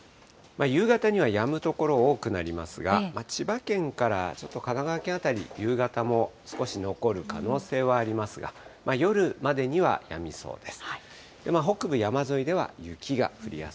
夕方にはやむ所多くなりますが、千葉県からちょっと神奈川県辺り、夕方も少し残る可能性はありますが、夜までにはやみそうです。